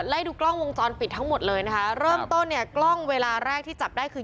ไล่ดูกล้องวงจรปิดทั้งหมดเลยนะคะเริ่มต้นเนี่ยกล้องเวลาแรกที่จับได้คือ